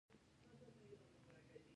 د بیلګی په توکه